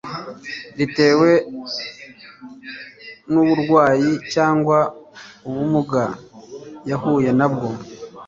ritewe n uburwayi cyangwa ubumuga yahuye nabwo